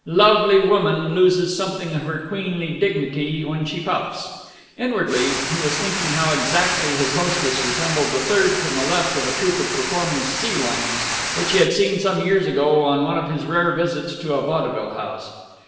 Lovely woman loses something of her queenly dignity when she puffs. Inwardly, he was thinking how exactly his hostess resembled the third from the left of a troupe of performing sea lions which he had seen some years ago on one of his rare visits to a vaudeville house.